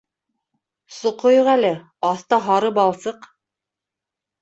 Соҡойоҡ әле, аҫта һары балсыҡ...